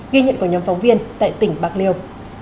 ghi nhận của nhóm phóng viên tại tỉnh bạc liêu